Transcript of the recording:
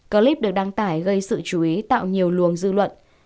clip được đăng tải gây sự chú ý tạo nhiều luồng dư luận